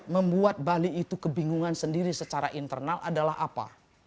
membuat bali itu kebingungan sendiri secara internal adalah apa